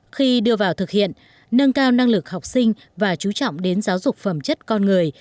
khi đưa vào thực hiện nâng cao năng lực học sinh và chú trọng đến giáo dục phẩm chất con người